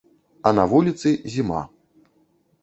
А на вуліцы зіма.